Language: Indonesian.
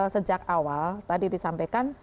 sejak awal tadi disampaikan